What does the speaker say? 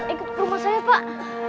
ikut rumah saya pak